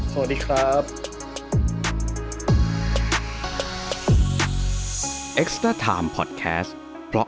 สวัสดีครับ